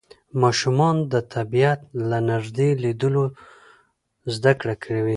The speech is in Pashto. ماشومان د طبیعت له نږدې لیدلو زده کړه کوي